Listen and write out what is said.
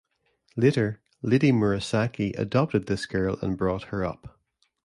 Later, Lady Murasaki adopted this girl and brought her up.